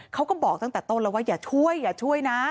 เขาก็บอกตั้งแต่ต้นแล้วว่าอย่าช่วยอย่าช่วยนะ